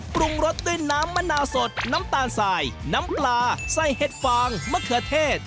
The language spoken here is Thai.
ปรุงรสด้วยน้ำมะนาวสดน้ำตาลสายน้ำปลาใส่เห็ดฟางมะเขือเทศ